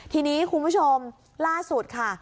ทีนี้คุณผู้ชมล่าสุดค่ะ